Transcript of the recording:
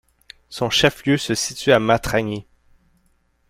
Son chef-lieu se situe à Martragny.